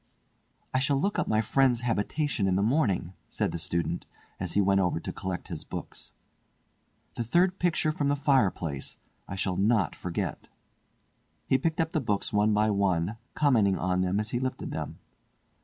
"I shall look up my friend's habitation in the morning," said the student, as he went over to collect his books. "The third picture from the fireplace; I shall not forget." He picked up the books one by one, commenting on them as he lifted them.